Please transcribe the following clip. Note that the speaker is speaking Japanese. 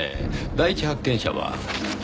第一発見者は？